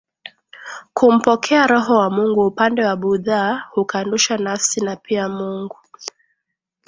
kumpokea Roho wa Mungu Upande wa Buddha hukanusha nafsi na pia Mungu